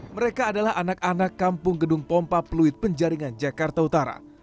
mereka adalah anak anak kampung gedung pompa fluid penjaringan jakarta utara